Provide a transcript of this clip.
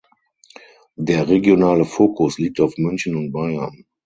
Der regionale Fokus liegt auf München und Bayern.